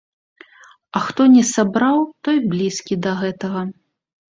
А хто не сабраў, той блізкі да гэтага.